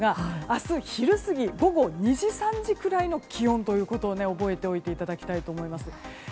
明日、昼過ぎ午後２時３時ぐらいの気温ということを覚えておいていただきたいと思います。